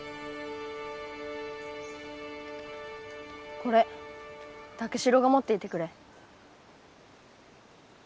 これ武四郎が持っていてくれ。